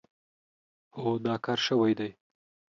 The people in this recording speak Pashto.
هو، دا کار شوی دی.